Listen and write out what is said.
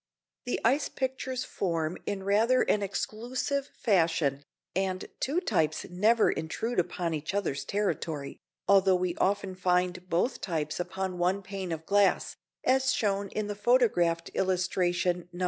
The ice pictures form in rather an exclusive fashion, and two types never intrude upon each other's territory, although we often find both types upon one pane of glass, as shown in the photographed illustration Nos.